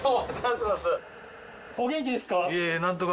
お元気ですか？